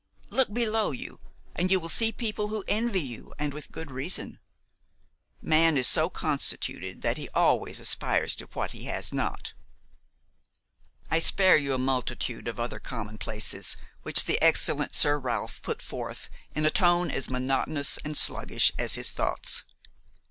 Look below you and you will see people who envy you, and with good reason. Man is so constituted that he always aspires to what he has not." I spare you a multitude of other commonplaces which the excellent Sir Ralph put forth in a tone as monotonous and sluggish as his thoughts.